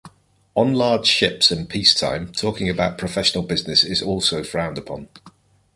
On large ships in peacetime, talking about professional business is also frowned upon.